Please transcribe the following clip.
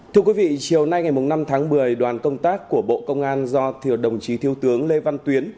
thưa quý vị chiều nay ngày năm tháng một mươi đoàn công tác của bộ công an do thiếu đồng chí thiếu tướng lê văn tuyến